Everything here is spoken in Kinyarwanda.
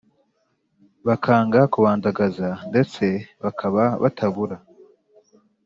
bakanga kubandagaza ndetse bakaba batabura